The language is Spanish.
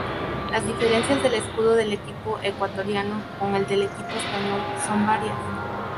Las diferencias del escudo del equipo ecuatoriano con el del equipo español son varias.